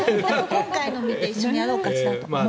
今回の見て一緒にやろうかしら。